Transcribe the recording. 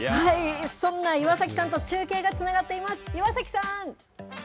そんな岩崎さんと中継がつながっています。